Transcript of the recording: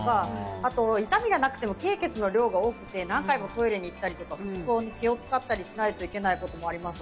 あと、痛みがなくても経血の量が多くて何回もトイレに行ったり服装に気を使わないといけないこともあります。